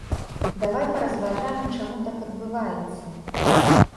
Давай паразважаем, чаму так адбываецца!